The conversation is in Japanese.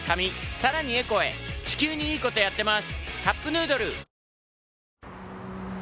さらにエコへ地球にいいことやってます。